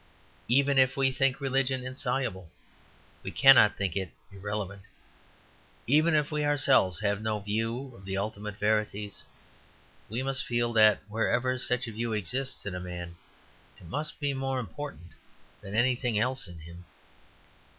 Even if we think religion insoluble, we cannot think it irrelevant. Even if we ourselves have no view of the ultimate verities, we must feel that wherever such a view exists in a man it must be more important than anything else in him.